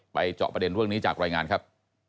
เจาะประเด็นเรื่องนี้จากรายงานครับ